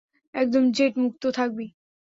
একদম জেট-মুক্ত থাকবি।